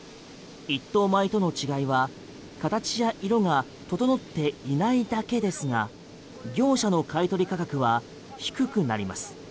一等米との違いは形や色が整っていないだけですが業者の買取価格は低くなります。